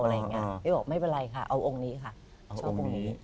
พี่บอกไม่เป็นไรค่ะเอาองค์นี้ค่ะชอบองค์นี้